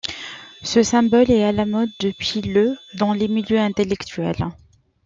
Ce symbole est à la mode depuis le dans les milieux intellectuels.